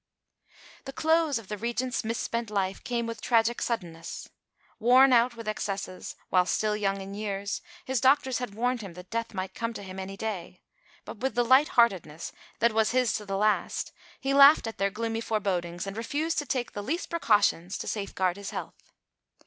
The close of the Regent's mis spent life came with tragic suddenness. Worn out with excesses, while still young in years, his doctors had warned him that death might come to him any day; but with the light heartedness that was his to the last, he laughed at their gloomy forebodings and refused to take the least precautions to safeguard his health.